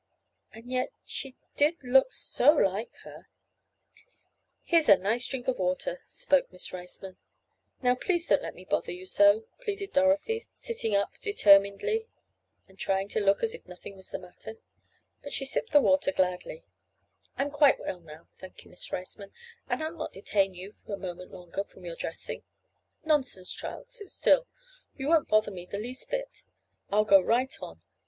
And yet she did look so like her— "Here's a nice drink of water," spoke Miss Riceman. "Now please don't let me bother you so," pleaded Dorothy, sitting up determinedly and trying to look as if nothing was the matter. But she sipped the water gladly. "I'm quite well now, thank you, Miss Riceman, and I'll not detain you a moment longer from your dressing." "Nonsense, child, sit still. You won't bother me the least bit. I'll go right on.